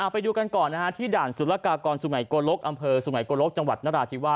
ไปดูกันก่อนที่ด่านสุรกากรสุงัยโกลกอำเภอสุงัยโกลกจังหวัดนราธิวา